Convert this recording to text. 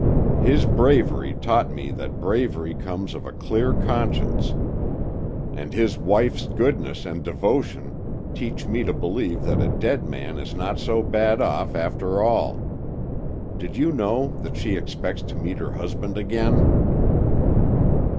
His bravery taught me that bravery comes of a clear conscience, and his wife's goodness and devotion teach me to believe that a dead man is not so bad off, after all. Did you know that she expects to meet her husband again?"